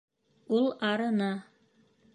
Ул арыны.